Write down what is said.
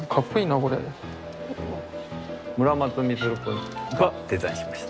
村松充くんがデザインしました。